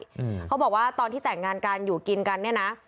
อืมเขาบอกว่าตอนที่แต่งงานกันอยู่กินกันเนี้ยนะ